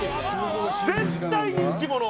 絶対人気者！